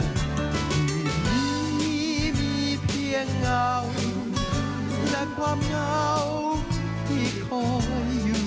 วันนี้มีเพียงเงาและความเหงาที่คอยอยู่